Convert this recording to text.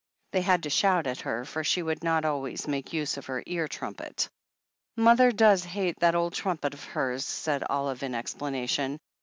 They had to shout at her, for she would not always make use of her ear trumpet. "Mother does hate that old trumpet of hers," said Olive in explanation.